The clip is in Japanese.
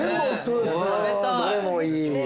うんどれもいい。